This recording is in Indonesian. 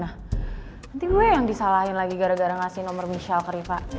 nanti gue yang disalahin lagi gara gara ngasih nomor michelle ke riva